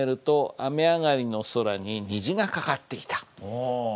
お。